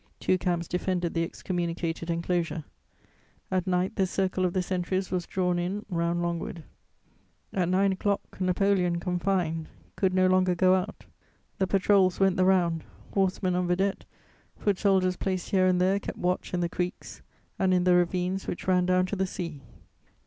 _ Two camps defended the excommunicated enclosure: at night, the circle of the sentries was drawn in round Longwood. At nine o'clock, Napoleon, confined, could no longer go out; the patrols went the round; horsemen on vedette, foot soldiers placed here and there kept watch in the creeks and in the ravines which ran down to the sea.